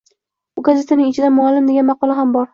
Bu gazetaning ichida muallim degan maqola ham bor.